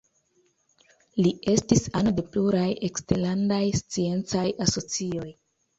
Li estis ano de pluraj eksterlandaj sciencaj asocioj.